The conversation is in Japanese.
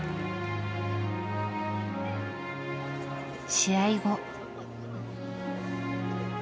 試合後。